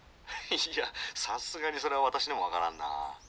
「いやさすがにそれは私でも分からんなあ」。